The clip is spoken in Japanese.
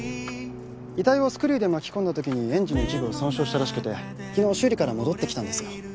遺体をスクリューで巻き込んだ時にエンジンの一部を損傷したらしくて昨日修理から戻ってきたんですよ。